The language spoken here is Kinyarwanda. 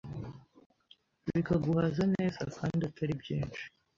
bikaguhaza neza kandi Atari byinshi